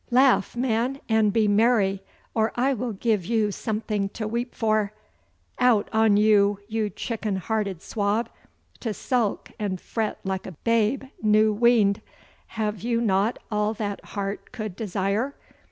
Laugh, man, and be merry, or I will give you something to weep for. Out on you, you chicken hearted swab, to sulk and fret like a babe new weaned! Have you not all that heart could desire?